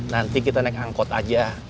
nanti kita naik angkot aja